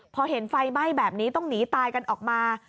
พอเห็นไฟไหม้แบบนี้ต้องหนีตายกันออกมา